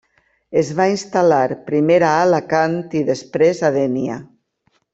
Es va instal·lar primer a Alacant i després a Dénia.